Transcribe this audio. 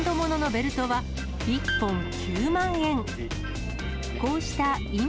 ベルトは、１本９万円。